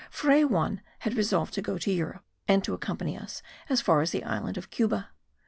Fray Juan had resolved to go to Europe and to accompany us as far as the island of Cuba.